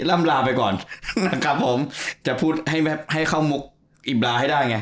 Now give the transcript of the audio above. ล่ำลาไปก่อนนะครับผมจะพูดให้เข้ามุกอิบราให้ได้ไง